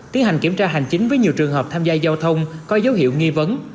tiến hành kiểm tra hành chính với nhiều trường hợp tham gia giao thông có dấu hiệu nghi vấn